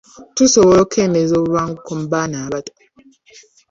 Tusobola okukeendeza obutabanguko mu baana abato?